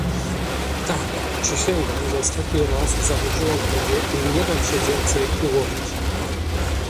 "Tak, przysięgłam, że ostatni raz zawierzyłam tobie i nie dam się więcej ułowić."